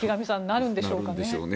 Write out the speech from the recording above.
なるんでしょうね。